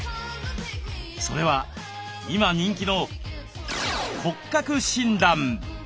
それは今人気の「骨格診断」。